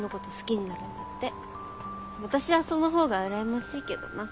私はその方が羨ましいけどな。